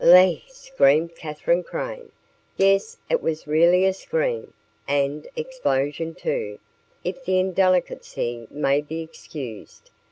" ly!" screamed Katherine Crane. Yes, it was really a scream, an explosion, too, if the indelicacy may be excused.